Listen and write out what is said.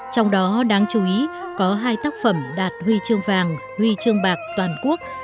trong đó đáng chú ý có hai tác phẩm đạt huy chương vàng huy chương bạc toàn quốc